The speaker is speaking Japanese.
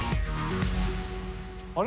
あれ？